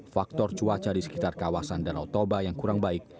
faktor cuaca di sekitar kawasan danau toba yang kurang baik